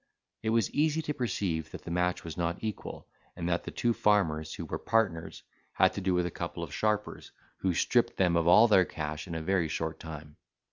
It was easy to perceive that the match was not equal; and that the two farmers, who were partners, had to do with a couple of sharpers, who stripped them of all their cash in a very short time.